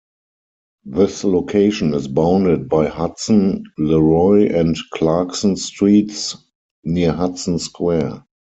This location is bounded by Hudson, Leroy and Clarkson Streets near Hudson Square.